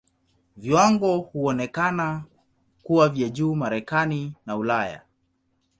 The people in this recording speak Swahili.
Viwango huonekana kuwa vya juu Marekani na Ulaya.